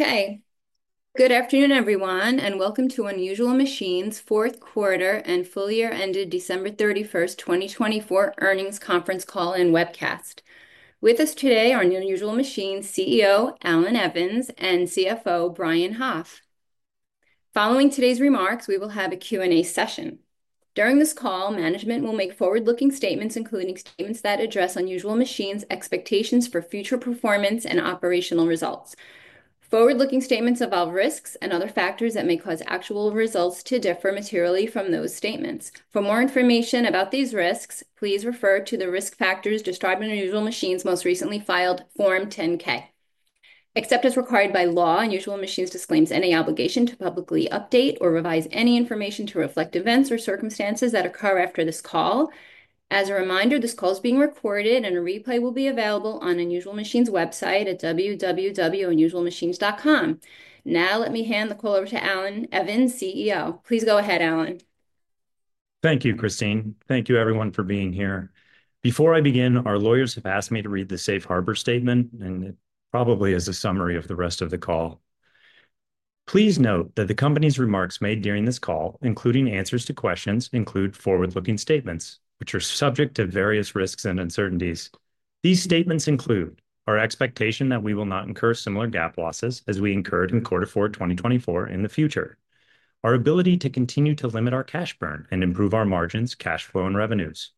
Okay. Good afternoon, everyone, and welcome to Unusual Machines' Fourth Quarter and Full Year ended December 31, 2024, Earnings Conference Call and Webcast. With us today are Unusual Machines CEO Allan Evans and CFO Brian Hoff. Following today's remarks, we will have a Q&A session. During this call, management will make forward-looking statements, including statements that address Unusual Machines' expectations for future performance and operational results. Forward-looking statements involve risks and other factors that may cause actual results to differ materially from those statements. For more information about these risks, please refer to the risk factors described in Unusual Machines' most recently filed Form 10-K. Except as required by law, Unusual Machines disclaims any obligation to publicly update or revise any information to reflect events or circumstances that occur after this call. As a reminder, this call is being recorded, and a replay will be available on Unusual Machines' website at www.unusualmachines.com. Now, let me hand the call over to Allan Evans, CEO. Please go ahead, Allan. Thank you, Christine. Thank you, everyone, for being here. Before I begin, our lawyers have asked me to read the safe harbor statement, and it probably is a summary of the rest of the call. Please note that the company's remarks made during this call, including answers to questions, include forward-looking statements, which are subject to various risks and uncertainties. These statements include our expectation that we will not incur similar GAAP losses as we incurred in quarter four 2024 in the future, our ability to continue to limit our cash burn and improve our margins, cash flow, and revenues,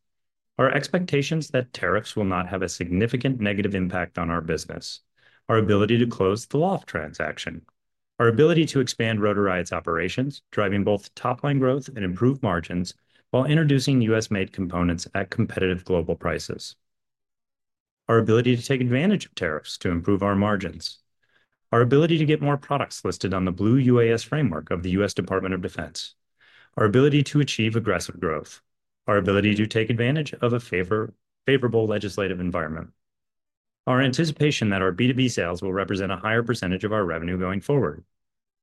our expectations that tariffs will not have a significant negative impact on our business, our ability to close the Aloft transaction, our ability to expand Rotor Riot's operations, driving both top-line growth and improved margins while introducing U.S.-made components at competitive global prices, our ability to take advantage of tariffs to improve our margins, our ability to get more products listed on the Blue UAS framework of the U.S. Department of Defense, our ability to achieve aggressive growth, our ability to take advantage of a favorable legislative environment, our anticipation that our B2B sales will represent a higher percentage of our revenue going forward,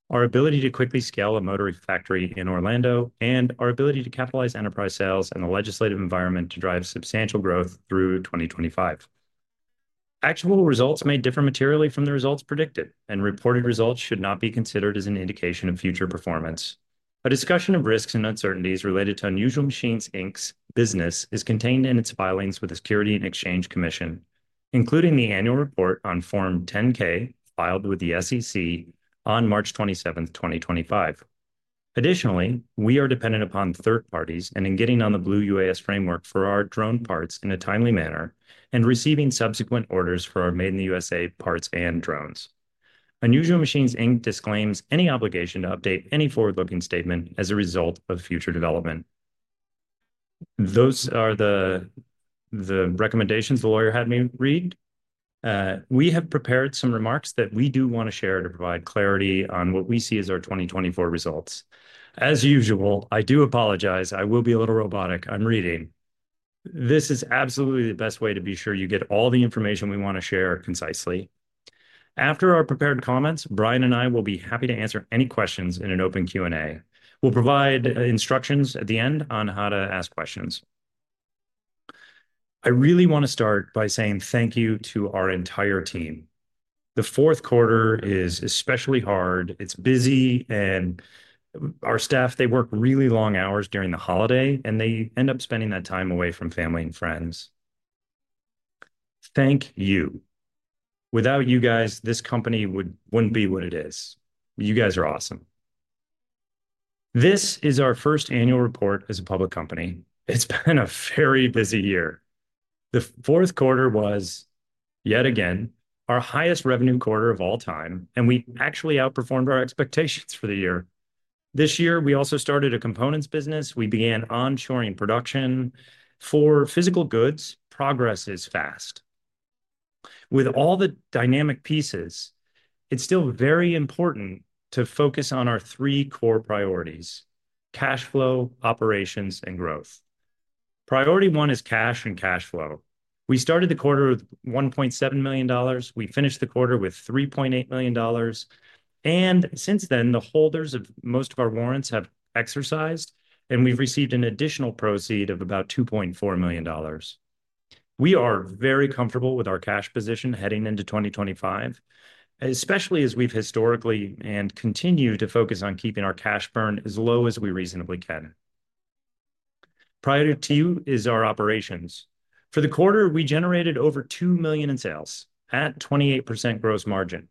our ability to quickly scale a motor factory in Orlando, and our ability to capitalize enterprise sales and the legislative environment to drive substantial growth through 2025. Actual results may differ materially from the results predicted, and reported results should not be considered as an indication of future performance. A discussion of risks and uncertainties related to Unusual Machines' business is contained in its filings with the Securities and Exchange Commission, including the annual report on Form 10-K filed with the SEC on March 27, 2025. Additionally, we are dependent upon third parties in getting on the Blue UAS framework for our drone parts in a timely manner and receiving subsequent orders for our Made in the USA parts and drones. Unusual Machines disclaims any obligation to update any forward-looking statement as a result of future development. Those are the recommendations the lawyer had me read. We have prepared some remarks that we do want to share to provide clarity on what we see as our 2024 results. As usual, I do apologize. I will be a little robotic. I'm reading. This is absolutely the best way to be sure you get all the information we want to share concisely. After our prepared comments, Brian and I will be happy to answer any questions in an open Q&A. We'll provide instructions at the end on how to ask questions. I really want to start by saying thank you to our entire team. The fourth quarter is especially hard. It's busy, and our staff, they work really long hours during the holiday, and they end up spending that time away from family and friends. Thank you. Without you guys, this company wouldn't be what it is. You guys are awesome. This is our first annual report as a public company. It's been a very busy year. The fourth quarter was, yet again, our highest revenue quarter of all time, and we actually outperformed our expectations for the year. This year, we also started a components business. We began onshoring production. For physical goods, progress is fast. With all the dynamic pieces, it's still very important to focus on our three core priorities: cash flow, operations, and growth. Priority one is cash and cash flow. We started the quarter with $1.7 million. We finished the quarter with $3.8 million. Since then, the holders of most of our warrants have exercised, and we've received an additional proceed of about $2.4 million. We are very comfortable with our cash position heading into 2025, especially as we've historically and continue to focus on keeping our cash burn as low as we reasonably can. Priority two is our operations. For the quarter, we generated over $2 million in sales at 28% gross margin.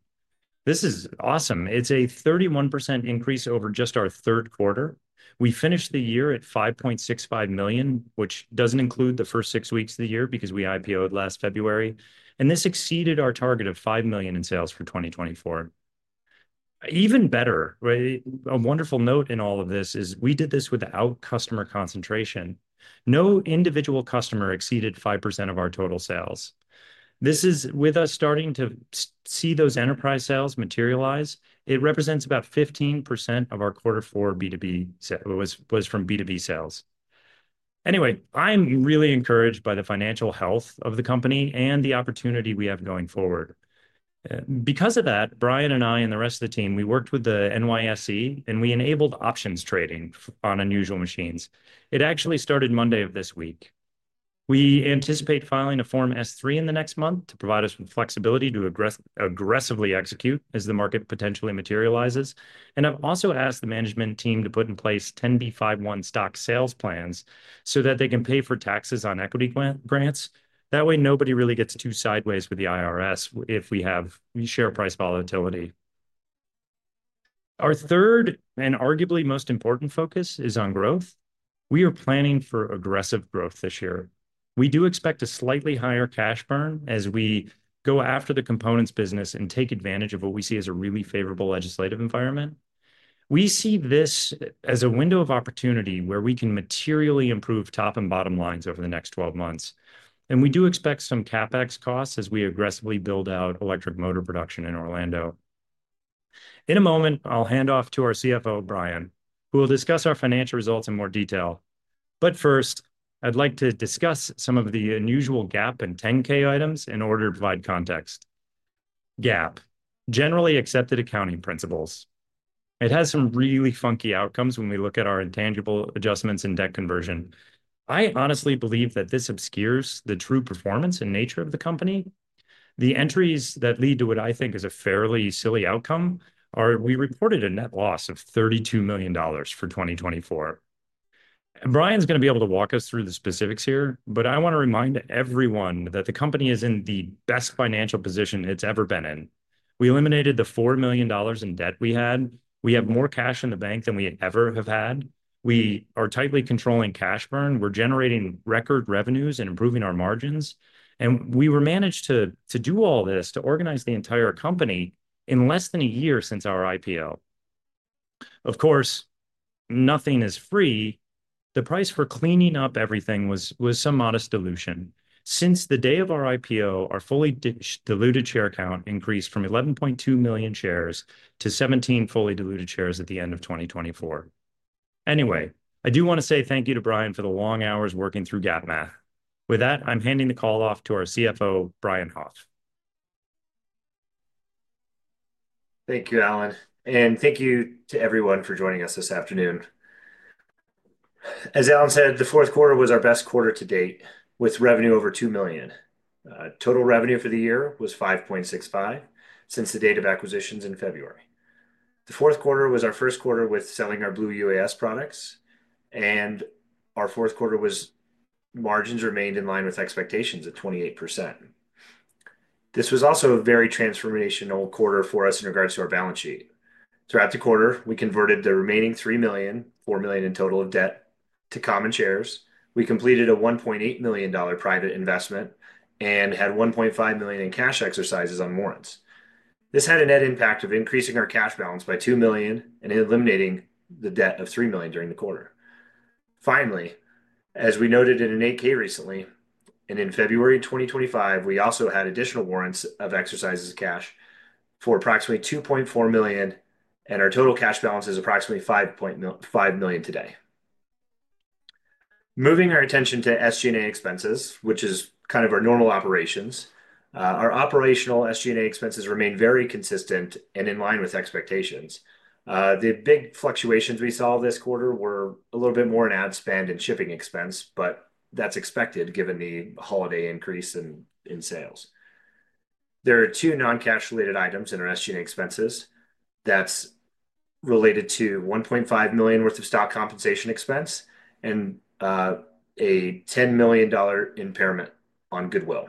This is awesome. It's a 31% increase over just our third quarter. We finished the year at $5.65 million, which doesn't include the first six weeks of the year because we IPO'd last February. This exceeded our target of $5 million in sales for 2024. Even better, a wonderful note in all of this is we did this without customer concentration. No individual customer exceeded 5% of our total sales. This is with us starting to see those enterprise sales materialize. It represents about 15% of our quarter four B2B was from B2B sales. Anyway, I'm really encouraged by the financial health of the company and the opportunity we have going forward. Because of that, Brian and I and the rest of the team, we worked with the NYSE, and we enabled options trading on Unusual Machines. It actually started Monday of this week. We anticipate filing a Form S-3 in the next month to provide us with flexibility to aggressively execute as the market potentially materializes. I've also asked the management team to put in place 10b5-1 stock sales plans so that they can pay for taxes on equity grants. That way, nobody really gets too sideways with the IRS if we have share price volatility. Our third and arguably most important focus is on growth. We are planning for aggressive growth this year. We do expect a slightly higher cash burn as we go after the components business and take advantage of what we see as a really favorable legislative environment. We see this as a window of opportunity where we can materially improve top and bottom lines over the next 12 months. We do expect some CapEx costs as we aggressively build out electric motor production in Orlando. In a moment, I'll hand off to our CFO, Brian, who will discuss our financial results in more detail. First, I'd like to discuss some of the unusual GAAP and 10-K items in order to provide context. GAAP: generally accepted accounting principles. It has some really funky outcomes when we look at our intangible adjustments and debt conversion. I honestly believe that this obscures the true performance and nature of the company. The entries that lead to what I think is a fairly silly outcome are we reported a net loss of $32 million for 2024. Brian's going to be able to walk us through the specifics here, but I want to remind everyone that the company is in the best financial position it's ever been in. We eliminated the $4 million in debt we had. We have more cash in the bank than we ever have had. We are tightly controlling cash burn. We're generating record revenues and improving our margins. We were managed to do all this to organize the entire company in less than a year since our IPO. Of course, nothing is free. The price for cleaning up everything was some modest dilution. Since the day of our IPO, our fully diluted share count increased from 11.2 million shares to 17 million fully diluted shares at the end of 2024. Anyway, I do want to say thank you to Brian for the long hours working through GAAP math. With that, I'm handing the call off to our CFO, Brian Hoff. Thank you, Allan. Thank you to everyone for joining us this afternoon. As Allan said, the fourth quarter was our best quarter to date, with revenue over $2 million. Total revenue for the year was $5.65 million since the date of acquisitions in February. The fourth quarter was our first quarter with selling our Blue UAS products. Our fourth quarter margins remained in line with expectations at 28%. This was also a very transformational quarter for us in regards to our balance sheet. Throughout the quarter, we converted the remaining $3 million, $4 million in total of debt to common shares. We completed a $1.8 million private investment and had $1.5 million in cash exercises on warrants. This had a net impact of increasing our cash balance by $2 million and eliminating the debt of $3 million during the quarter. Finally, as we noted in an 8-K recently, and in February 2025, we also had additional warrants of exercises of cash for approximately $2.4 million, and our total cash balance is approximately $5 million today. Moving our attention to SG&A expenses, which is kind of our normal operations, our operational SG&A expenses remained very consistent and in line with expectations. The big fluctuations we saw this quarter were a little bit more in ad spend and shipping expense, but that's expected given the holiday increase in sales. There are two non-cash-related items in our SG&A expenses that's related to $1.5 million worth of stock compensation expense and a $10 million impairment on Goodwill.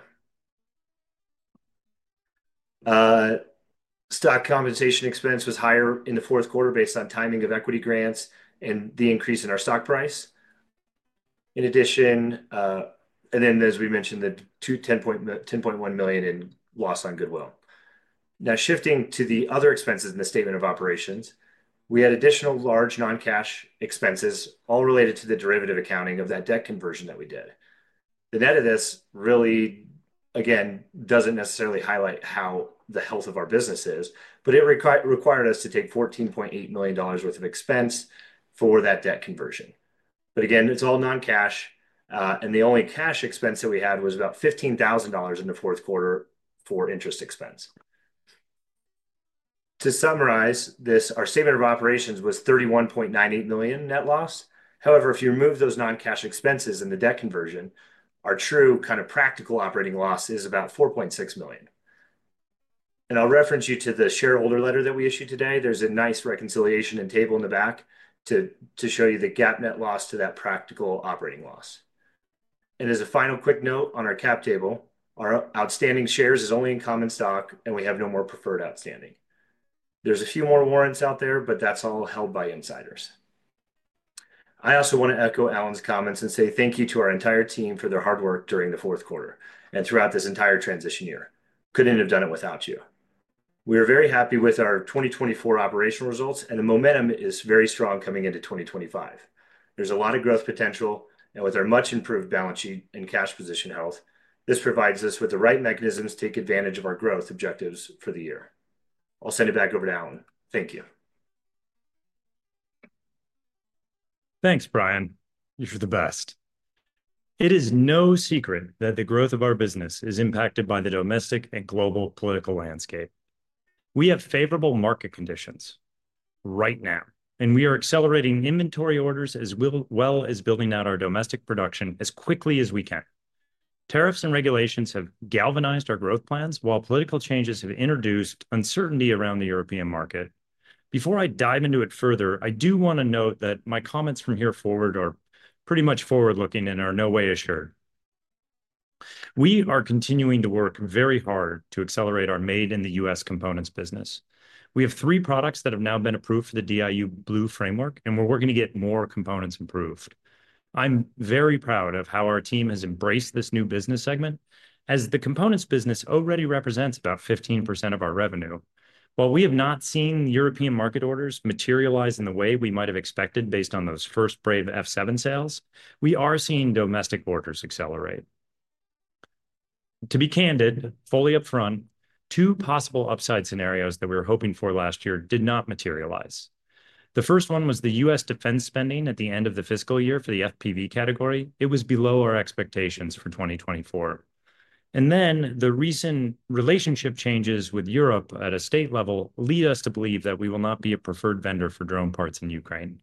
Stock compensation expense was higher in the fourth quarter based on timing of equity grants and the increase in our stock price. In addition, and then, as we mentioned, the $10.1 million in loss on Goodwill. Now, shifting to the other expenses in the statement of operations, we had additional large non-cash expenses, all related to the derivative accounting of that debt conversion that we did. The net of this really, again, does not necessarily highlight how the health of our business is, but it required us to take $14.8 million worth of expense for that debt conversion. Again, it is all non-cash. The only cash expense that we had was about $15,000 in the fourth quarter for interest expense. To summarize this, our statement of operations was $31.98 million net loss. However, if you remove those non-cash expenses and the debt conversion, our true kind of practical operating loss is about $4.6 million. I will reference you to the shareholder letter that we issued today. There's a nice reconciliation and table in the back to show you the GAAP net loss to that practical operating loss. As a final quick note on our cap table, our outstanding shares is only in common stock, and we have no more preferred outstanding. There's a few more warrants out there, but that's all held by insiders. I also want to echo Allan's comments and say thank you to our entire team for their hard work during the fourth quarter and throughout this entire transition year. Couldn't have done it without you. We are very happy with our 2024 operational results, and the momentum is very strong coming into 2025. There's a lot of growth potential, and with our much improved balance sheet and cash position health, this provides us with the right mechanisms to take advantage of our growth objectives for the year. I'll send it back over to Allan. Thank you. Thanks, Brian. You're the best. It is no secret that the growth of our business is impacted by the domestic and global political landscape. We have favorable market conditions right now, and we are accelerating inventory orders as well as building out our domestic production as quickly as we can. Tariffs and regulations have galvanized our growth plans, while political changes have introduced uncertainty around the European market. Before I dive into it further, I do want to note that my comments from here forward are pretty much forward-looking and are no way assured. We are continuing to work very hard to accelerate our Made in the U.S. components business. We have three products that have now been approved for the DIU Blue framework, and we're working to get more components approved. I'm very proud of how our team has embraced this new business segment, as the components business already represents about 15% of our revenue. While we have not seen European market orders materialize in the way we might have expected based on those first brave F7 sales, we are seeing domestic orders accelerate. To be candid, fully upfront, two possible upside scenarios that we were hoping for last year did not materialize. The first one was the U.S. defense spending at the end of the fiscal year for the FPV category. It was below our expectations for 2024. The recent relationship changes with Europe at a state level lead us to believe that we will not be a preferred vendor for drone parts in Ukraine.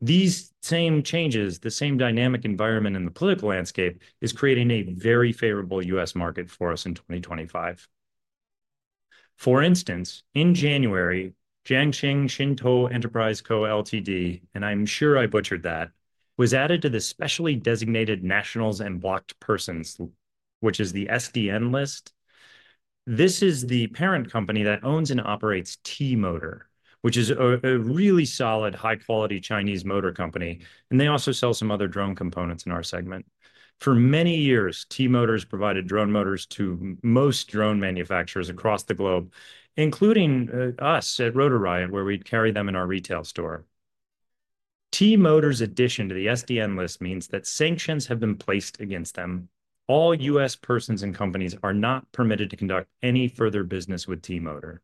These same changes, the same dynamic environment in the political landscape, is creating a very favorable U.S. market for us in 2025. For instance, in January, Jiangxi Xintuo Enterprise Co., Ltd., and I'm sure I butchered that, was added to the specially designated nationals and blocked persons, which is the SDN list. This is the parent company that owns and operates T-Motor, which is a really solid, high-quality Chinese motor company. They also sell some other drone components in our segment. For many years, T-Motor has provided drone motors to most drone manufacturers across the globe, including us at Rotor Riot, where we carry them in our retail store. T-Motor's addition to the SDN list means that sanctions have been placed against them. All U.S. persons and companies are not permitted to conduct any further business with T-Motor.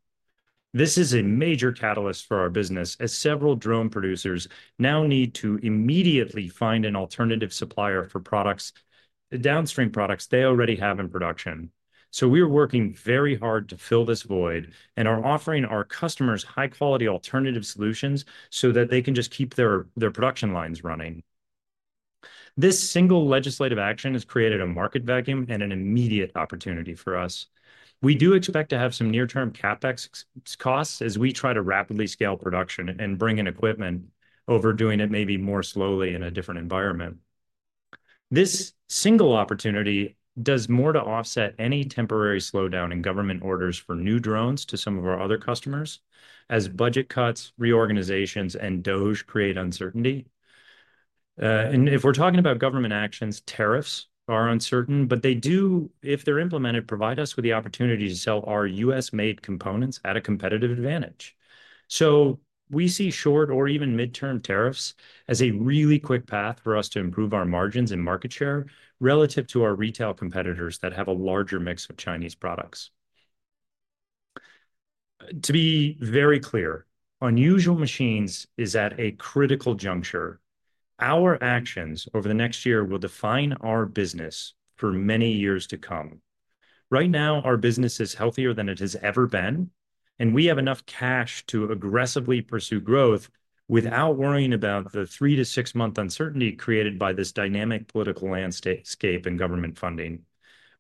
This is a major catalyst for our business, as several drone producers now need to immediately find an alternative supplier for products, the downstream products they already have in production. We are working very hard to fill this void and are offering our customers high-quality alternative solutions so that they can just keep their production lines running. This single legislative action has created a market vacuum and an immediate opportunity for us. We do expect to have some near-term CapEx costs as we try to rapidly scale production and bring in equipment, overdoing it maybe more slowly in a different environment. This single opportunity does more to offset any temporary slowdown in government orders for new drones to some of our other customers, as budget cuts, reorganizations, and DOGE create uncertainty. If we're talking about government actions, tariffs are uncertain, but they do, if they're implemented, provide us with the opportunity to sell our U.S. made components at a competitive advantage. We see short or even mid-term tariffs as a really quick path for us to improve our margins and market share relative to our retail competitors that have a larger mix of Chinese products. To be very clear, Unusual Machines is at a critical juncture. Our actions over the next year will define our business for many years to come. Right now, our business is healthier than it has ever been, and we have enough cash to aggressively pursue growth without worrying about the three- to six-month uncertainty created by this dynamic political landscape and government funding.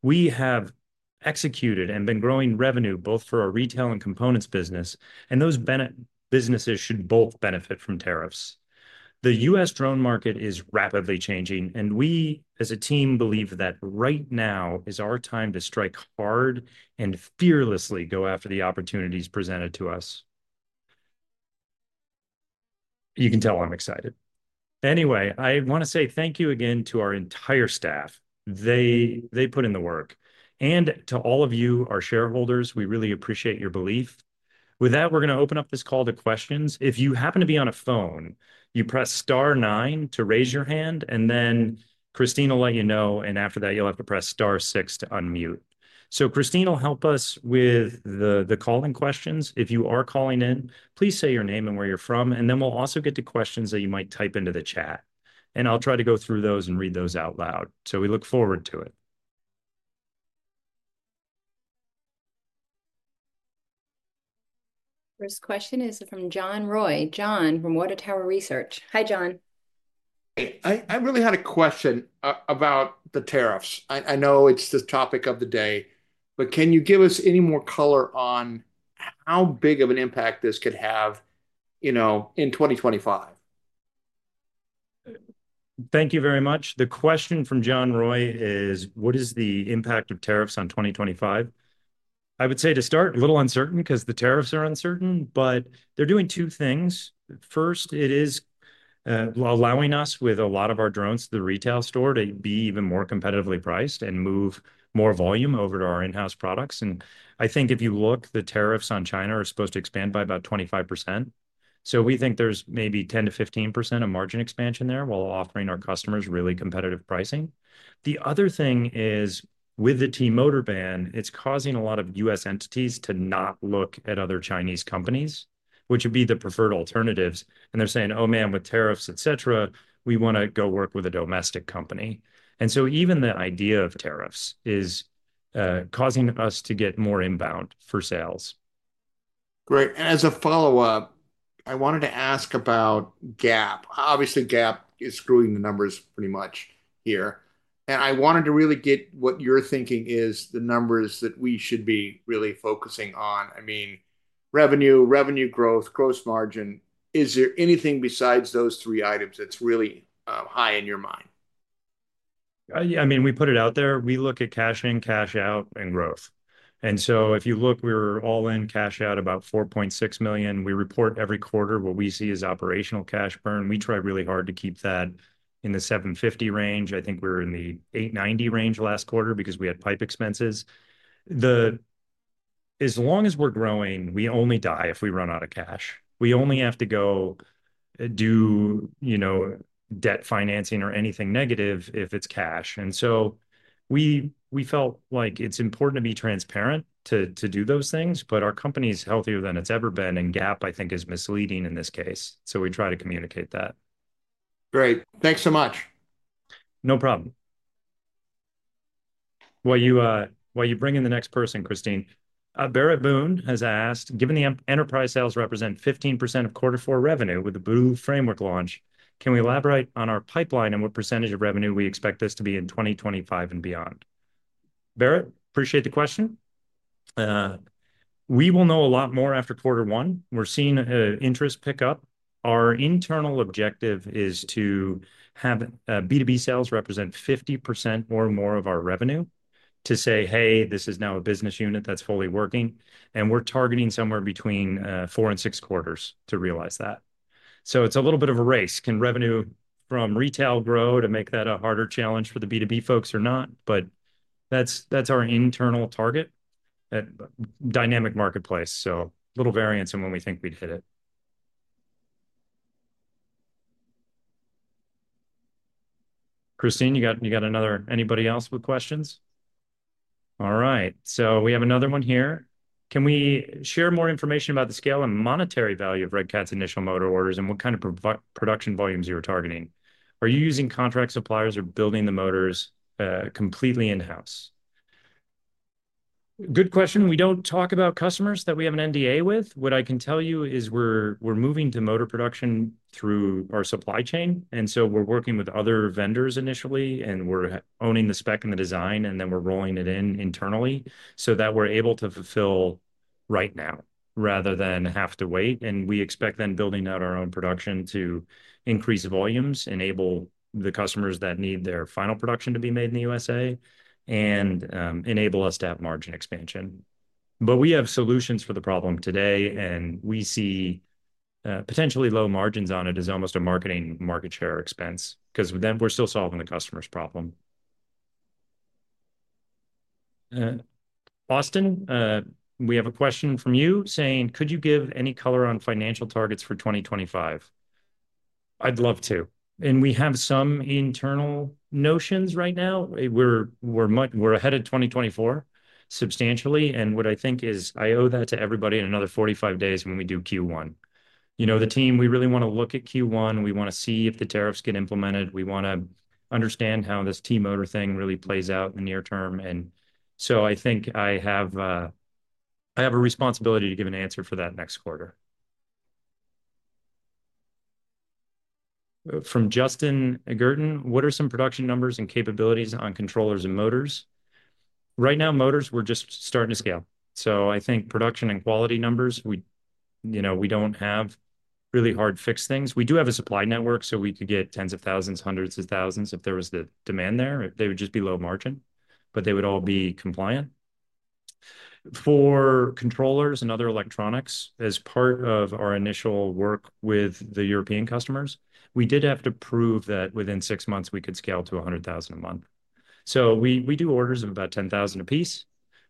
We have executed and been growing revenue both for our retail and components business, and those businesses should both benefit from tariffs. The U.S. drone market is rapidly changing, and we, as a team, believe that right now is our time to strike hard and fearlessly go after the opportunities presented to us. You can tell I'm excited. Anyway, I want to say thank you again to our entire staff. They put in the work. To all of you, our shareholders, we really appreciate your belief. With that, we're going to open up this call to questions. If you happen to be on a phone, you press star nine to raise your hand, and then Christine will let you know, and after that, you'll have to press star six to unmute. Christine will help us with the calling questions. If you are calling in, please say your name and where you're from, and then we'll also get to questions that you might type into the chat. I will try to go through those and read those out loud. We look forward to it. First question is from John Roy. John from Watertower Research. Hi, John. Hey, I really had a question about the tariffs. I know it's the topic of the day, but can you give us any more color on how big of an impact this could have, you know, in 2025? Thank you very much. The question from John Roy is, what is the impact of tariffs on 2025? I would say to start, a little uncertain because the tariffs are uncertain, but they're doing two things. First, it is allowing us with a lot of our drones to the retail store to be even more competitively priced and move more volume over to our in-house products. I think if you look, the tariffs on China are supposed to expand by about 25%. We think there's maybe 10-15% of margin expansion there while offering our customers really competitive pricing. The other thing is, with the T-Motor ban, it's causing a lot of U.S. entities to not look at other Chinese companies, which would be the preferred alternatives. They are saying, "Oh man, with tariffs, et cetera, we want to go work with a domestic company." Even the idea of tariffs is causing us to get more inbound for sales. Great. As a follow-up, I wanted to ask about GAAP. Obviously, GAAP is screwing the numbers pretty much here. I wanted to really get what your thinking is, the numbers that we should be really focusing on. I mean, revenue, revenue growth, gross margin. Is there anything besides those three items that's really high in your mind? I mean, we put it out there. We look at cash in, cash out, and growth. If you look, we're all in cash out about $4.6 million. We report every quarter what we see as operational cash burn. We try really hard to keep that in the $750,000 range. I think we were in the $890,000 range last quarter because we had PIPE expenses. As long as we're growing, we only die if we run out of cash. We only have to go do, you know, debt financing or anything negative if it's cash. We felt like it's important to be transparent to do those things, but our company is healthier than it's ever been, and GAAP, I think, is misleading in this case. We try to communicate that. Great. Thanks so much. No problem. While you bring in the next person, Christine, Barrett Boone has asked, "Given the enterprise sales represent 15% of quarter four revenue with the Blue framework launch, can we elaborate on our pipeline and what percentage of revenue we expect this to be in 2025 and beyond?" Barrett, appreciate the question. We will know a lot more after quarter one. We're seeing interest pick up. Our internal objective is to have B2B sales represent 50% or more of our revenue to say, "Hey, this is now a business unit that's fully working." We are targeting somewhere between four and six quarters to realize that. It is a little bit of a race. Can revenue from retail grow to make that a harder challenge for the B2B folks or not? That is our internal target, that dynamic marketplace. Little variance in when we think we'd hit it. Christine, you got another—anybody else with questions? All right. We have another one here. "Can we share more information about the scale and monetary value of Red Cat's initial motor orders and what kind of production volumes you're targeting? Are you using contract suppliers or building the motors completely in-house?" Good question. We do not talk about customers that we have an NDA with. What I can tell you is we are moving to motor production through our supply chain. We are working with other vendors initially, and we are owning the spec and the design, and then we are rolling it in internally so that we are able to fulfill right now rather than have to wait. We expect building out our own production to increase volumes, enable the customers that need their final production to be made in the USA, and enable us to have margin expansion. We have solutions for the problem today, and we see potentially low margins on it. It is almost a marketing market share expense because then we're still solving the customer's problem. Austin, we have a question from you saying, "Could you give any color on financial targets for 2025?" I'd love to. We have some internal notions right now. We're ahead of 2024 substantially. What I think is I owe that to everybody in another 45 days when we do Q1. You know, the team, we really want to look at Q1. We want to see if the tariffs get implemented. We want to understand how this T-Motor thing really plays out in the near term. I think I have a responsibility to give an answer for that next quarter. From Justin Gerten, "What are some production numbers and capabilities on controllers and motors?" Right now, motors, we're just starting to scale. I think production and quality numbers, you know, we don't have really hard fixed things. We do have a supply network, so we could get 10,000, 100,000 if there was the demand there. They would just be low margin, but they would all be compliant. For controllers and other electronics, as part of our initial work with the European customers, we did have to prove that within six months we could scale to 100,000 a month. We do orders of about 10,000 a piece.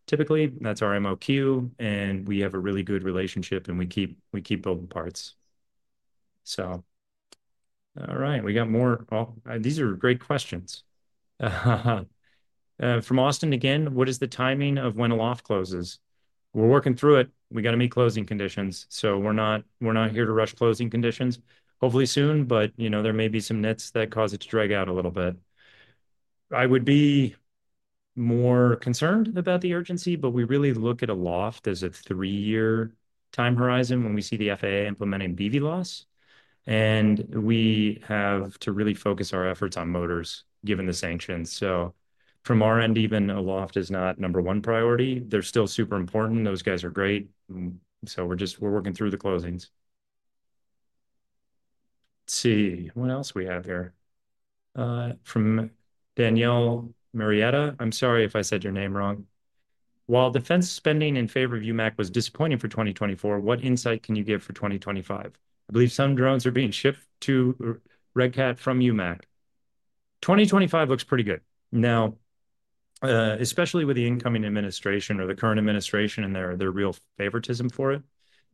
Typically, that's our MOQ, and we have a really good relationship, and we keep building parts. All right, we got more. These are great questions. From Austin again, "What is the timing of when Aloft closes?" We're working through it. We got to meet closing conditions. We're not here to rush closing conditions. Hopefully soon, but you know, there may be some nets that cause it to drag out a little bit. I would be more concerned about the urgency, but we really look at Aloft as a three-year time horizon when we see the FAA implementing BVLOS. We have to really focus our efforts on motors given the sanctions. From our end, even Aloft is not number one priority. They're still super important. Those guys are great. We're just working through the closings. Let's see. What else we have here? From Danielle Marietta, "I'm sorry if I said your name wrong. While defense spending in favor of UMAC was disappointing for 2024, what insight can you give for 2025? I believe some drones are being shipped to Red Cat from UMAC. 2025 looks pretty good. Now, especially with the incoming administration or the current administration and their real favoritism for it,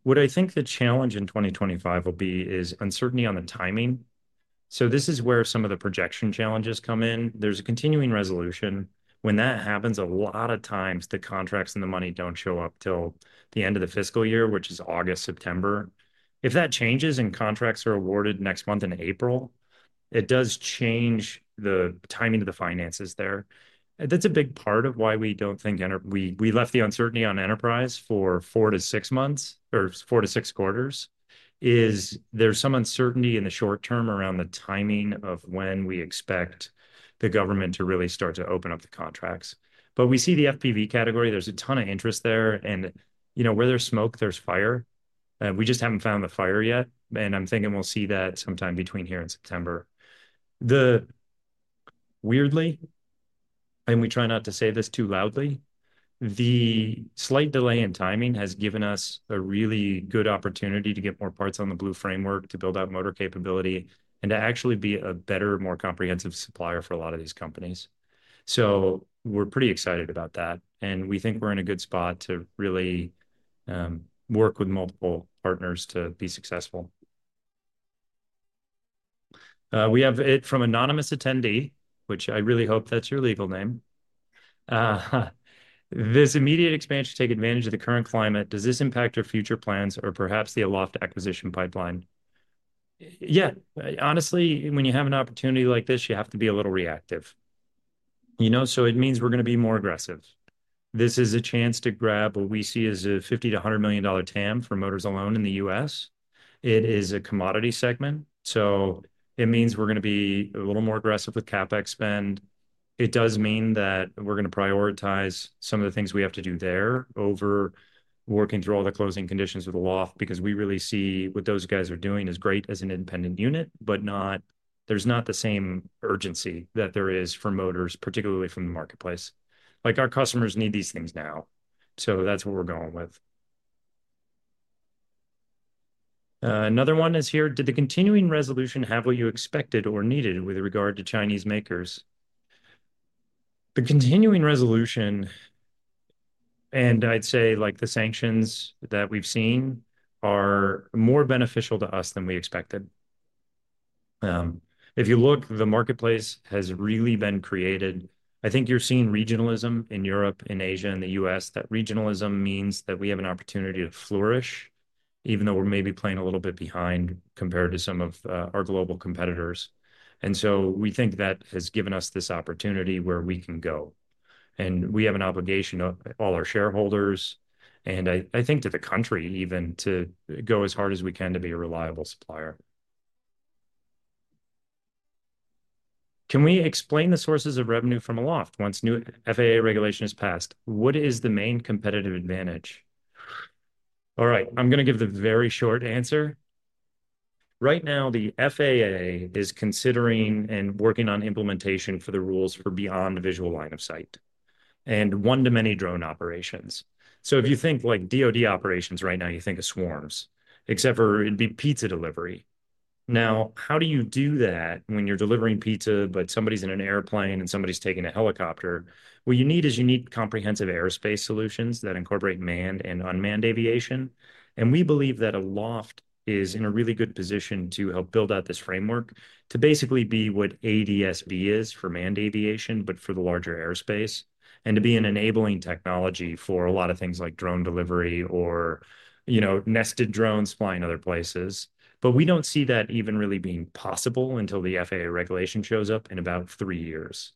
what I think the challenge in 2025 will be is uncertainty on the timing. This is where some of the projection challenges come in. There is a continuing resolution. When that happens, a lot of times the contracts and the money do not show up till the end of the fiscal year, which is August, September. If that changes and contracts are awarded next month in April, it does change the timing of the finances there. That's a big part of why we don't think we left the uncertainty on enterprise for four to six months or four to six quarters is there's some uncertainty in the short term around the timing of when we expect the government to really start to open up the contracts. We see the FPV category. There's a ton of interest there. You know, where there's smoke, there's fire. We just haven't found the fire yet. I'm thinking we'll see that sometime between here and September. Weirdly, and we try not to say this too loudly, the slight delay in timing has given us a really good opportunity to get more parts on the Blue framework to build out motor capability and to actually be a better, more comprehensive supplier for a lot of these companies. We're pretty excited about that. We think we're in a good spot to really work with multiple partners to be successful. We have it from anonymous attendee, which I really hope that's your legal name. "This immediate expansion to take advantage of the current climate, does this impact your future plans or perhaps the Aloft acquisition pipeline?" Yeah, honestly, when you have an opportunity like this, you have to be a little reactive. You know, it means we're going to be more aggressive. This is a chance to grab what we see as a $50-$100 million TAM for motors alone in the U.S. It is a commodity segment. It means we're going to be a little more aggressive with CapEx spend. It does mean that we're going to prioritize some of the things we have to do there over working through all the closing conditions with Aloft because we really see what those guys are doing as great as an independent unit, but there's not the same urgency that there is for motors, particularly from the marketplace. Like our customers need these things now. That's what we're going with. Another one is here, "Did the continuing resolution have what you expected or needed with regard to Chinese makers?" The continuing resolution, and I'd say like the sanctions that we've seen, are more beneficial to us than we expected. If you look, the marketplace has really been created. I think you're seeing regionalism in Europe, in Asia, in the U.S., that regionalism means that we have an opportunity to flourish, even though we're maybe playing a little bit behind compared to some of our global competitors. We think that has given us this opportunity where we can go. We have an obligation to all our shareholders, and I think to the country even, to go as hard as we can to be a reliable supplier. "Can we explain the sources of revenue from Aloft once new FAA regulation is passed? What is the main competitive advantage?" All right, I'm going to give the very short answer. Right now, the FAA is considering and working on implementation for the rules for beyond the visual line of sight and one-to-many drone operations. If you think like DOD operations right now, you think of swarms, except for it'd be pizza delivery. Now, how do you do that when you're delivering pizza, but somebody's in an airplane and somebody's taking a helicopter? What you need is you need comprehensive airspace solutions that incorporate manned and unmanned aviation. We believe that Aloft is in a really good position to help build out this framework to basically be what ADS-B is for manned aviation, but for the larger airspace, and to be an enabling technology for a lot of things like drone delivery or, you know, nested drones flying other places. We don't see that even really being possible until the FAA regulation shows up in about three years.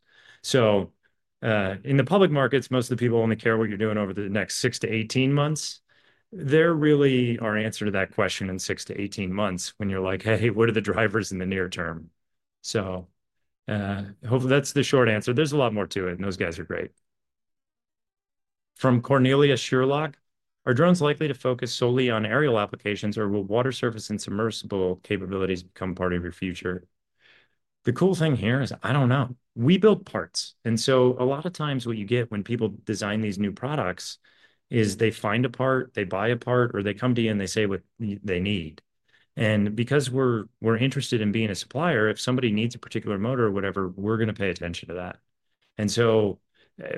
In the public markets, most of the people only care what you're doing over the next six-18 months. There really are answers to that question in six-18 months when you're like, "Hey, what are the drivers in the near term?" Hopefully that's the short answer. There's a lot more to it, and those guys are great. From Cornelia Sherlock, "Are drones likely to focus solely on aerial applications, or will water surface and submersible capabilities become part of your future?" The cool thing here is I don't know. We build parts. A lot of times what you get when people design these new products is they find a part, they buy a part, or they come to you and they say what they need. Because we're interested in being a supplier, if somebody needs a particular motor or whatever, we're going to pay attention to that.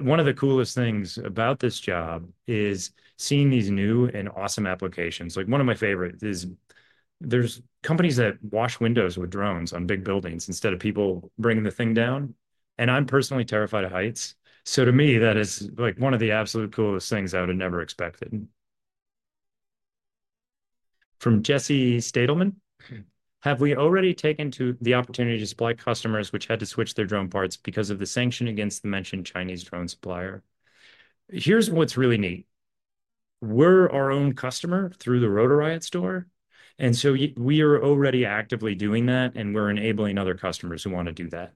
One of the coolest things about this job is seeing these new and awesome applications. Like one of my favorites is there are companies that wash windows with drones on big buildings instead of people bringing the thing down. I'm personally terrified of heights. To me, that is one of the absolute coolest things I would have never expected. From Jesse Stadelmann, "Have we already taken to the opportunity to supply customers which had to switch their drone parts because of the sanction against the mentioned Chinese drone supplier?" Here's what's really neat. We're our own customer through the Rotor Riot store. We are already actively doing that, and we're enabling other customers who want to do that.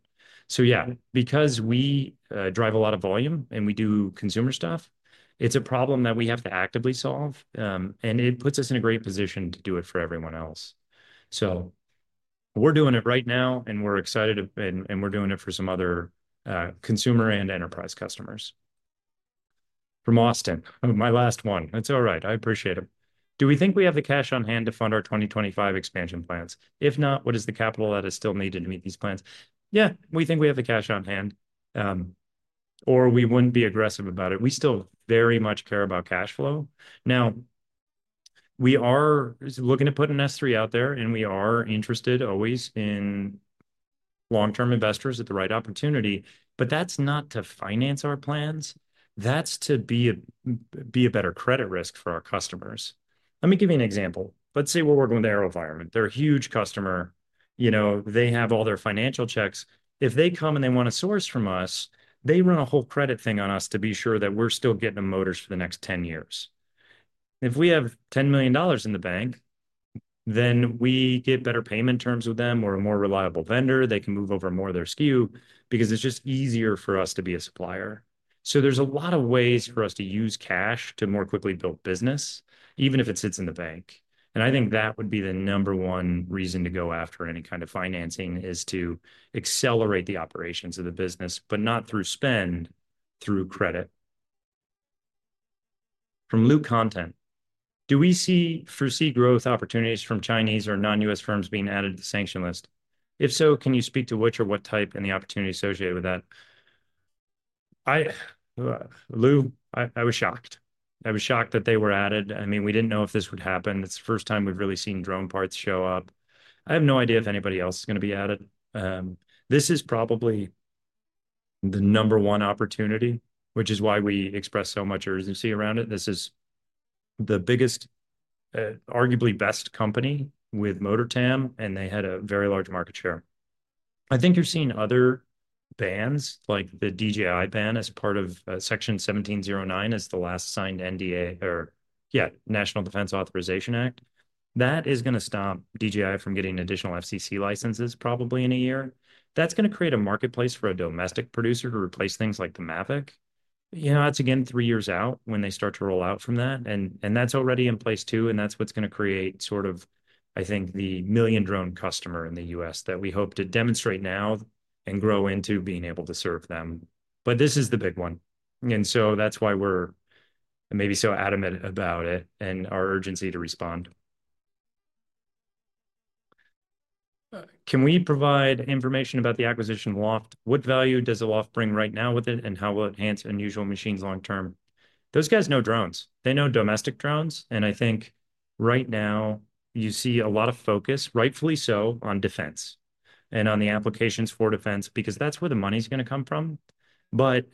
Yeah, because we drive a lot of volume and we do consumer stuff, it's a problem that we have to actively solve, and it puts us in a great position to do it for everyone else. We're doing it right now, and we're excited, and we're doing it for some other consumer and enterprise customers. From Austin, my last one. That's all right. I appreciate it. "Do we think we have the cash on hand to fund our 2025 expansion plans? If not, what is the capital that is still needed to meet these plans?" Yeah, we think we have the cash on hand, or we wouldn't be aggressive about it. We still very much care about cash flow. Now, we are looking to put an S3 out there, and we are interested always in long-term investors at the right opportunity, but that's not to finance our plans. That's to be a better credit risk for our customers. Let me give you an example. Let's say we're working with AeroVironment. They're a huge customer. You know, they have all their financial checks. If they come and they want to source from us, they run a whole credit thing on us to be sure that we're still getting them motors for the next 10 years. If we have $10 million in the bank, then we get better payment terms with them. We're a more reliable vendor. They can move over more of their SKU because it's just easier for us to be a supplier. There are a lot of ways for us to use cash to more quickly build business, even if it sits in the bank. I think that would be the number one reason to go after any kind of financing is to accelerate the operations of the business, but not through spend, through credit. From Lou Content, "Do we foresee growth opportunities from Chinese or non-U.S. firms being added to the sanction list? If so, can you speak to which or what type and the opportunity associated with that?" Lou, I was shocked. I was shocked that they were added. I mean, we did not know if this would happen. It is the first time we have really seen drone parts show up. I have no idea if anybody else is going to be added. This is probably the number one opportunity, which is why we express so much urgency around it. This is the biggest, arguably best company with Motor TAM, and they had a very large market share. I think you're seeing other bans, like the DJI ban as part of Section 1709, as the last signed NDA, or yeah, National Defense Authorization Act. That is going to stop DJI from getting additional FCC licenses probably in a year. That's going to create a marketplace for a domestic producer to replace things like the Mavic. You know, that's again three years out when they start to roll out from that. That's already in place too. That's what's going to create sort of, I think, the million drone customer in the U.S. that we hope to demonstrate now and grow into being able to serve them. This is the big one. That's why we're maybe so adamant about it and our urgency to respond. "Can we provide information about the acquisition of Aloft? What value does Aloft bring right now with it, and how will it enhance Unusual Machines long term? Those guys know drones. They know domestic drones. I think right now you see a lot of focus, rightfully so, on defense and on the applications for defense because that's where the money's going to come from. What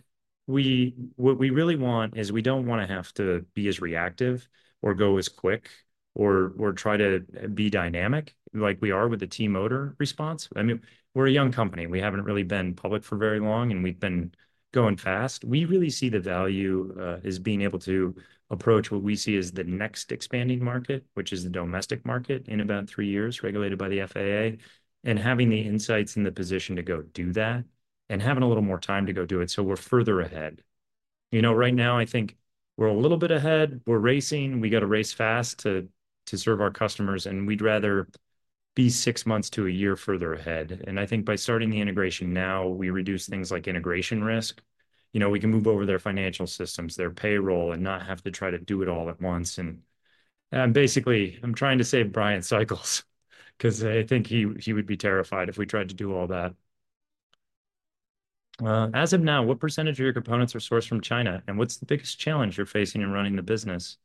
we really want is we don't want to have to be as reactive or go as quick or try to be dynamic like we are with the T-Motor response. I mean, we're a young company. We haven't really been public for very long, and we've been going fast. We really see the value as being able to approach what we see as the next expanding market, which is the domestic market in about three years regulated by the FAA and having the insights and the position to go do that and having a little more time to go do it so we're further ahead. You know, right now, I think we're a little bit ahead. We're racing. We got to race fast to serve our customers. We'd rather be six months to a year further ahead. I think by starting the integration now, we reduce things like integration risk. You know, we can move over their financial systems, their payroll, and not have to try to do it all at once. Basically, I'm trying to save Brian's cycles because I think he would be terrified if we tried to do all that. As of now, what percentage of your components are sourced from China, and what's the biggest challenge you're facing in running the business?"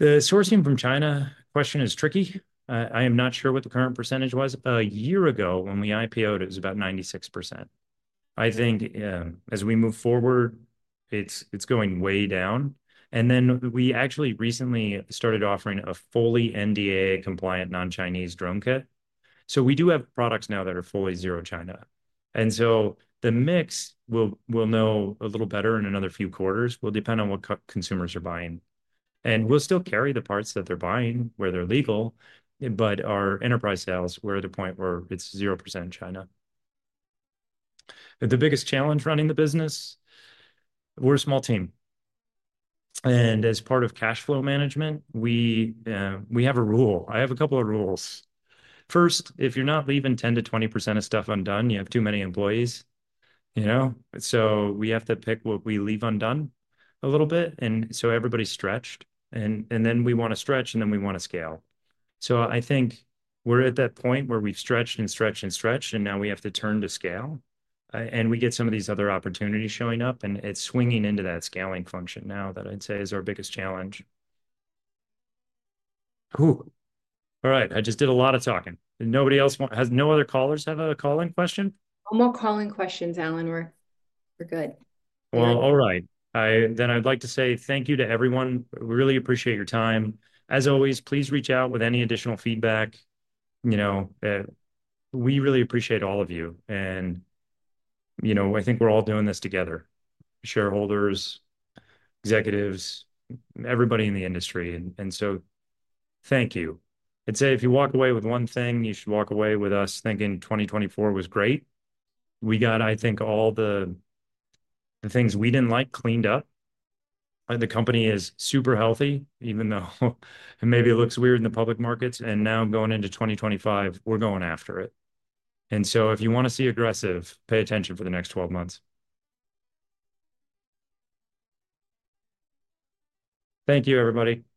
The sourcing from China question is tricky. I am not sure what the current percentage was. A year ago when we IPOed, it was about 96%. I think as we move forward, it's going way down. We actually recently started offering a fully NDAA compliant non-Chinese drone kit. We do have products now that are fully zero China. The mix we'll know a little better in another few quarters will depend on what consumers are buying. We'll still carry the parts that they're buying where they're legal, but our enterprise sales were at a point where it's zero percent China. The biggest challenge running the business? We're a small team. As part of cash flow management, we have a rule. I have a couple of rules. First, if you're not leaving 10-20% of stuff undone, you have too many employees. You know, so we have to pick what we leave undone a little bit. And so everybody's stretched. We want to stretch, and then we want to scale. I think we're at that point where we've stretched and stretched and stretched, and now we have to turn to scale. We get some of these other opportunities showing up, and it's swinging into that scaling function now that I'd say is our biggest challenge. Cool. All right. I just did a lot of talking. Nobody else has no other callers have a call-in question? No more call-in questions, Allan. We're good. All right. Then I'd like to say thank you to everyone. We really appreciate your time. As always, please reach out with any additional feedback. You know, we really appreciate all of you. And you know, I think we're all doing this together. Shareholders, executives, everybody in the industry. Thank you. I'd say if you walk away with one thing, you should walk away with us thinking 2024 was great. We got, I think, all the things we didn't like cleaned up. The company is super healthy, even though it maybe looks weird in the public markets. Now going into 2025, we're going after it. If you want to see aggressive, pay attention for the next 12 months. Thank you, everybody.